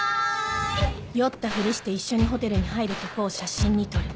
酔ったフリして一緒にホテルに入るとこを写真に撮る